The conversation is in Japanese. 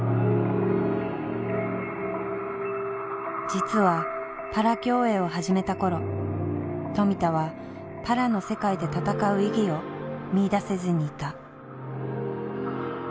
実はパラ競泳を始めた頃富田はパラの世界で戦う意義を見いだせずにいた。